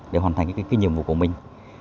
để hoàn thành những cái nhiệm vụ của mình